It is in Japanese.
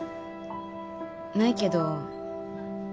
ないけど。